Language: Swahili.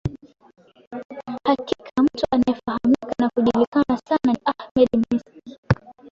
hakika mtu anayefahamika na kujulikana sana ni ahmed misti